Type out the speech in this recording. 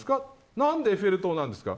何でエッフェル塔なんですか。